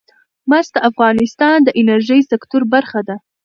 مس د افغانستان د انرژۍ سکتور برخه ده.